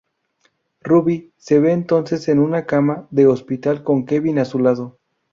Ruby se ve entonces en una cama de hospital, con Kevin a su lado.